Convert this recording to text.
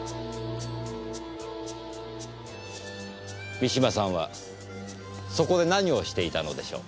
三島さんはそこで何をしていたのでしょう？